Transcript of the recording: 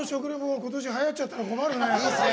今年はやっちゃったら困るね。